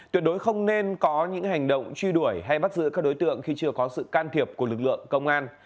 tuyệt đối không nên có những hành động truy đuổi hay bắt giữ các đối tượng khi chưa có sự can thiệp của lực lượng công an